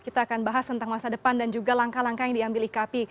kita akan bahas tentang masa depan dan juga langkah langkah yang diambil ikp